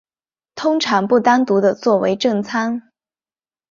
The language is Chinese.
通常不单独地作为正餐。